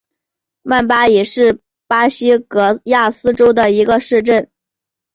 曼巴伊是巴西戈亚斯州的一个市镇。